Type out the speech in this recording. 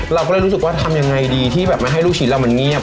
เราก็เลยรู้สึกว่าทำยังไงดีที่แบบไม่ให้ลูกชิ้นเรามันเงียบ